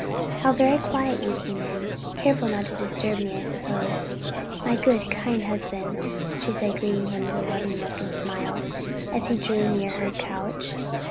"How very quietly you came in; careful not to disturb me I suppose, my good, kind husband," she said greeting him with a loving look and smile, as he drew near her couch.